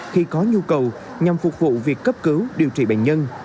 khi có nhu cầu nhằm phục vụ việc cấp cứu điều trị bệnh nhân